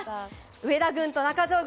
上田軍と中条軍